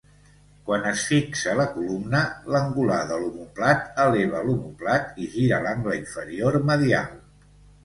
Quan es fixa la columna, l'angular de l'omòplat eleva l'omòplat i gira l'angle inferior medial.